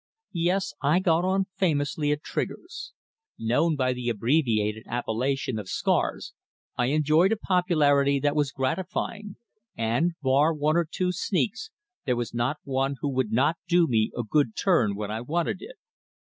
Yes, I got on famously at Trigger's. Known by the abbreviated appellation of "Scars," I enjoyed a popularity that was gratifying, and, bar one or two sneaks, there was not one who would not do me a good turn when I wanted it.